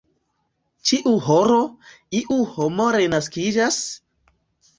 ĉiu horo, iu homo renaskiĝas?